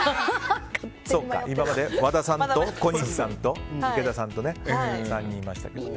今まで和田さんと小西さんと池田さんと３人いますから。